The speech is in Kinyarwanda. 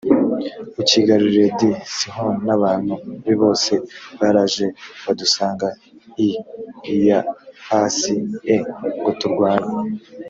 ucyigarurire d sihoni n abantu be bose baraje badusanga i yahasi e ngo turwane